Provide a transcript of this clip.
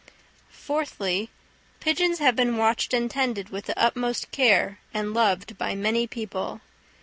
Fourthly, pigeons have been watched and tended with the utmost care, and loved by many people.